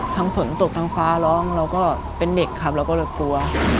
ฝนตกทั้งฟ้าร้องเราก็เป็นเด็กครับเราก็เลยกลัว